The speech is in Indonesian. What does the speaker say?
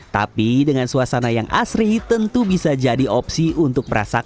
tapi dengan suasana yang sangat luas kita bisa berbicara sama siapa saja